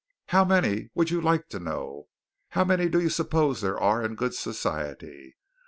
How many would you like to know? How many do you suppose there are in good society?